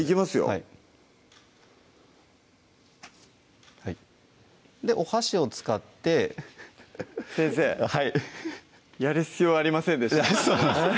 はいお箸を使って先生はいやる必要ありませんでした